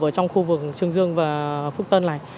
ở trong khu vực trương dương và phúc tân này